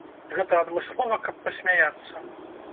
Гэта адмыслова, каб пасмяяцца.